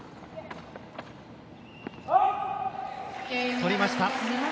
取りました。